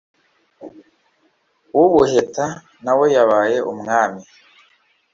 w’ubuheta nawe wabaye umwami.